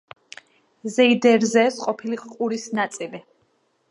ზეიდერზეეს ყოფილი ყურის ნაწილი.